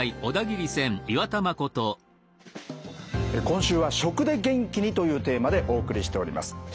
今週は「『食』で元気に！」というテーマでお送りしております。